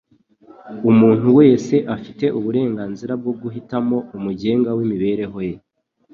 Umuntu wese afite uburenganzira bwo guhitamo umugenga w'imibereho ye.